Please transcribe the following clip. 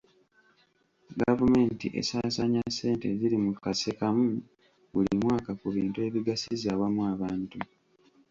Gavumenti esaasaanya ssente eziri mu kase kamu buli mwaka ku bintu ebigasiza awamu abantu.